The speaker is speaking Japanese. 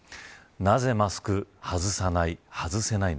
なぜマスク、外さない。